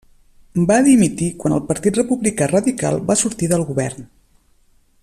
Va dimitir quan el Partit Republicà Radical va sortir del Govern.